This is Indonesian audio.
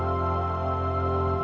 oke baik baik aja